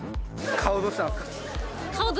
「顔どうしたんですか？」